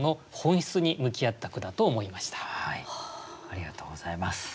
ありがとうございます。